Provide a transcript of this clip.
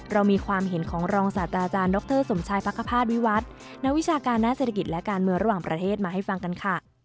เรามีความเห็นของรองศาสตราจารย์ดรสมชายพักขภาษวิวัฒน์นักวิชาการด้านเศรษฐกิจและการเมืองระหว่างประเทศมาให้ฟังกันค่ะ